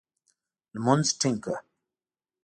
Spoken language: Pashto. لمونځ ټینګ کړه !